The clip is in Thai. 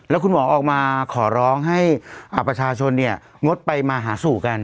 แล้วคุณหมอออกมาขอร้องให้ประชาชนเนี่ยงดไปมาหาสู่กัน